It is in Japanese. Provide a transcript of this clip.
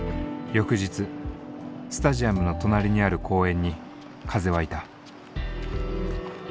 翌日スタジアムの隣にある公園に風はいた。